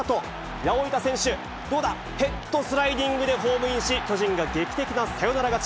八百板選手、どうだ、ヘッドスライディングでホームインし、巨人が劇的なサヨナラ勝ち。